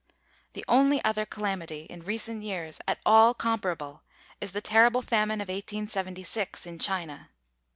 The only other calamity in recent years at all comparable, is the terrible famine of 1876 in China.